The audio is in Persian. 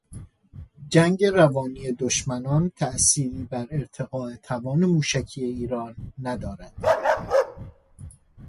جنگ روانی دشمنان تأثیری بر ارتقاء توان موشکی ایران ندارد.